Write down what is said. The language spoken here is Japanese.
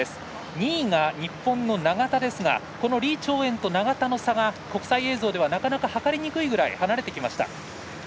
２位が日本の永田ですが李朝燕と永田の差が国際映像ではなかなか計りにくいぐらい離れてきました。